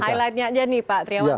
nah highlight nya aja nih pak triawan